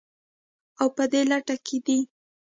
او په دې لټه کې دي